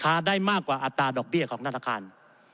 เพราะได้มากกว่าอัตราดอกเบี้ยของนาฬคัณภ์